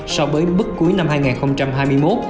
so với mức cuối năm hai nghìn hai mươi một